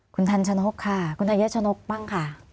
คุณทันชนกค่ะคุณธัญชนกบ้างค่ะ